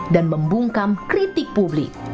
dan membungkam kritik publik